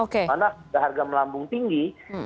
karena harga melambung tinggi